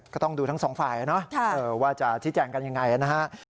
ก็ต้องดูทั้งสองฝ่ายว่าจะชี้แจงกันยังไงนะฮะ